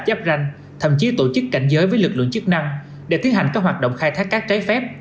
giáp ranh thậm chí tổ chức cảnh giới với lực lượng chức năng để tiến hành các hoạt động khai thác cát trái phép